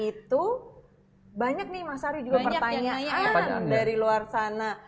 itu banyak nih mas ari juga pertanyaan dari luar sana